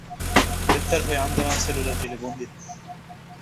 গ্রেপ্তার হয়ে আন্দামান সেলুলার জেলে বন্দী থাকেন।